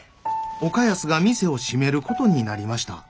岡安が店を閉めることになりました。